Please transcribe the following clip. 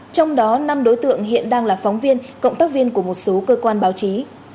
trong đó năm đối tượng hiện đang là phóng viên cộng tác viên của một số cơ quan báo chí